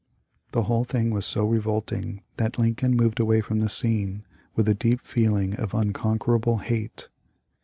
The whole thing was so revolting that Lincoln moved away from the scene with a deep feeling of " unconquerable hate."